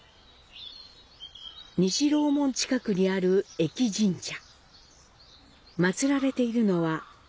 西楼門近くにある疫神社。